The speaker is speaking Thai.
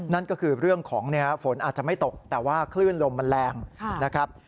นั่นก็คือเรื่องของฝนอาจจะไม่ตกแต่ว่าคลื่นลมมันแรงนะครับ